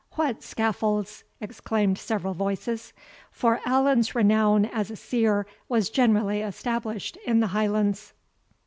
what scaffolds?" exclaimed several voices; for Allan's renown as a seer was generally established in the Highlands.